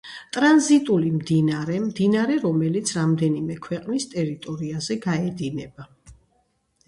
ტრანზიტული მდინარე-მდინარე, რომელიც რამდენიმე ქვეყნის ტერიტორიაზე გაედინება